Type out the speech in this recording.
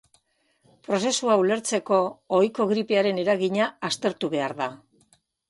Prozesua ulertzeko, ohiko gripearen eragina aztertu behar da.